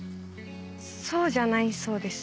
そうじゃないそうです。